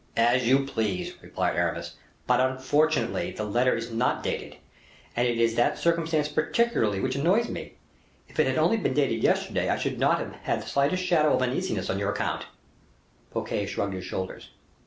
"As you please," replied Aramis; "but unfortunately the letter is not dated, and it is that circumstance particularly which annoys me. If it had only been dated yesterday, I should not have the slightest shadow of uneasiness on your account." Fouquet shrugged his shoulders.